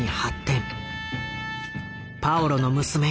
パオロの娘